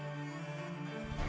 perjalanan rebuka pedro